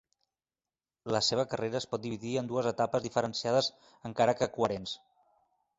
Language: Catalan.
La seva carrera es pot dividir en dues etapes diferenciades encara que coherents.